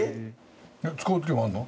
使う時もあるの？